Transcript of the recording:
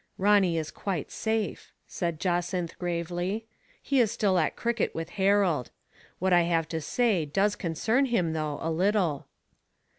" Ronny is quite safe,'* said Jacynth gravely. " He is still at cricket with Harold. What I have to say does concern him though, a little."